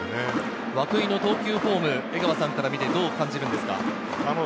涌井の投球フォームは、江川さんから見てどう感じるんですか？